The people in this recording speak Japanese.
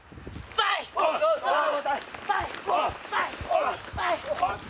ファイッ！